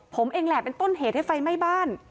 ผมเองแหละเป็นต้นเหตุให้ไฟไหม้บ้าน